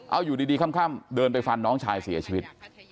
เอาอยู่ดีค่ำเดินไปฟันน้องชายเสียชีวิต